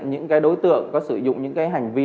những cái đối tượng có sử dụng những hành vi